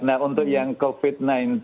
nah untuk yang covid sembilan belas